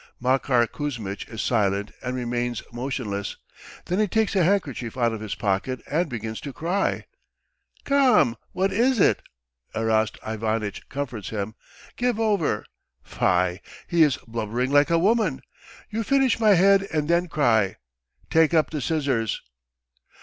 Makar Kuzmitch is silent and remains motionless, then he takes a handkerchief out of his pocket and begins to cry. "Come, what is it?" Erast Ivanitch comforts him. "Give over. Fie, he is blubbering like a woman! You finish my head and then cry. Take up the scissors!"